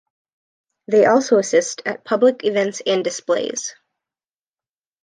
They also assist at public events and displays.